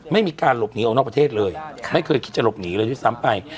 ไม่มีการหลบหนีออกนอกประเทศเลยไม่เคยคิดจะหลบหนีเลยด้วยซ้ำไป